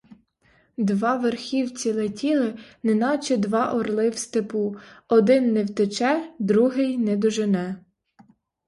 Два верхівці летіли, неначе два орли в степу: один не втече, другий не дожене.